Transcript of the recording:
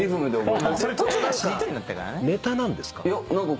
ネタなんですか？